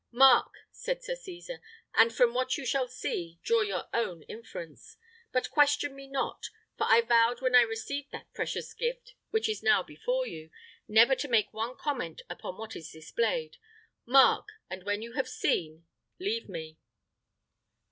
"Mark!" said Sir Cesar, "and from what you shall see, draw your own inference. But question me not: for I vowed when I received that precious gift, which is now before you, never to make one comment upon what it displayed. Mark! and when you have seen, leave me."